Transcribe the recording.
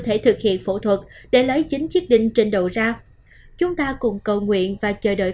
thể thực hiện phẫu thuật để lấy chính chiếc đinh trên đầu ra chúng ta cùng cầu nguyện và chờ đợi